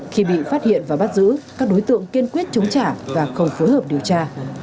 khi bị phát hiện và bắt giữ các đối tượng kiên quyết chống trả và không phối hợp điều tra